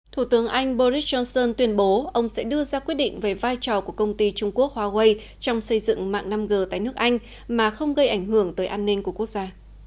thủ tướng anh boris johnson tuyên bố ông sẽ đưa ra quyết định về vai trò của công ty trung quốc huawei trong xây dựng mạng năm g tại nước anh mà không gây ảnh hưởng tới an ninh của quốc gia